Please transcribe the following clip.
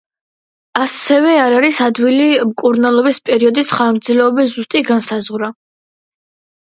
ასევე არ არის ადვილი მკურნალობის პერიოდის ხანგრძლივობის ზუსტი განსაზღვრა.